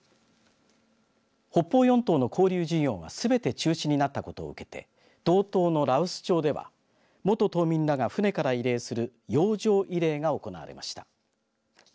北方四島の交流事業がすべて中止になったことを受けて道東の羅臼町では、元島民らが船から慰霊する洋上慰霊が行われました。